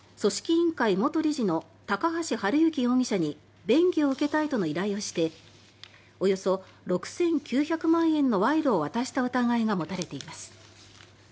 委員会元理事の高橋治之容疑者に便宜を受けたいとの依頼をしておよそ６９００万円の賄賂を渡した疑いが持たれています。